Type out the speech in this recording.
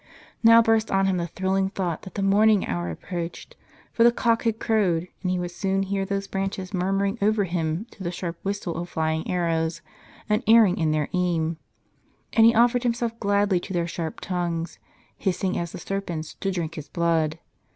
Now burst on him the thrilling thought that the morning hour approached, for the cock had crowed ; and he would soon hear those branches murmuring over him to the sharp whistle of flying arrows, unerring in their aim. And he offered him self gladly to their sharp tongues, hissing as the serpent's, to drink his blood.